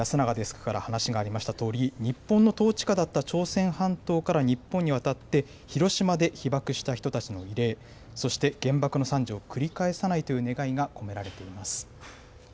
今も国際部の安永デスクから話がありましたとおり、日本の統治下だった朝鮮半島から日本に渡って広島で被爆した人たちの慰霊、そして、原爆の惨事を繰り返さないという願いが込められています。